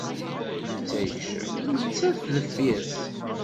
Netta yekcem, nettat deffir-s.